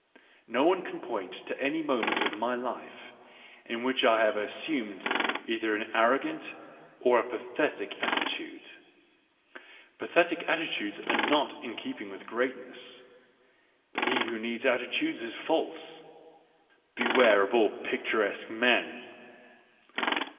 No one can point 1 to any moment of my life in which I have assumed / either an arrogant or a pathetic attitude. Pathetic f attitudes are not in keeping with greatness; he whcj needs attitudes is false. ... Beware of all p ictur escjue men